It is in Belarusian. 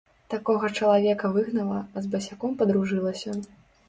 Такога чалавека выгнала, а з басяком падружылася.